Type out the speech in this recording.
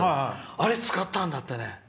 あれ、つかったんだってね。